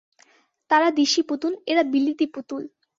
তারা দিশি পুতুল, এরা বিলিতি পুতুল।